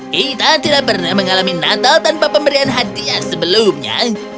kita tidak pernah mengalami natal tanpa pemberian hadiah sebelumnya